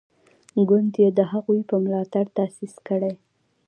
ګوند یې د هغوی په ملاتړ تاسیس کړی.